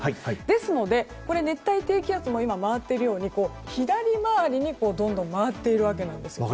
ですので、熱帯低気圧も回っているように左回りに回っているわけなんです。